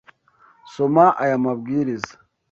Soma aya mabwiriza.